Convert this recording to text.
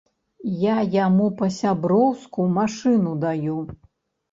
Я яму па-сяброўску машыну даю.